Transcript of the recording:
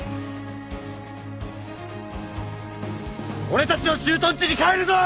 俺たちの駐屯地に帰るぞ！